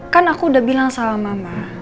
kan aku udah bilang sama mama